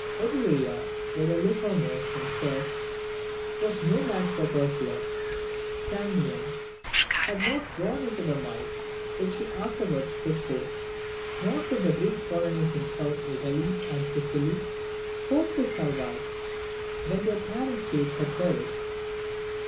Etruria, with her Lucumos and serfs, was no match for Persia. Samnium had not grown into the might which she afterwards put forth: nor could the Greek colonies in South Italy and Sicily hope to survive when their parent states had perished.